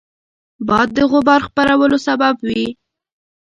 باد د غبار خپرولو سبب وي